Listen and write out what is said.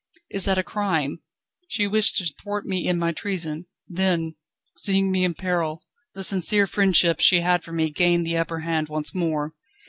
Is that a crime? She wished to thwart me in my treason; then, seeing me in peril, the sincere friendship she had for me gained the upper hand once more.